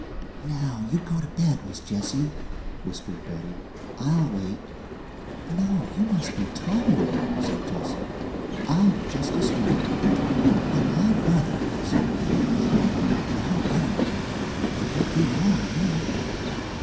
"Now you go to bed, Miss Jessie," whispered Betty. "I'll wait." "No, you must be tired," said Jessie. "I'd just as lief." "But I'd ruther," said Betty shortly "'n' I'm going to; it won't be long now."